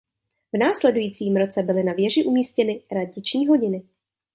V následujícím roce byly na věži umístěny radniční hodiny.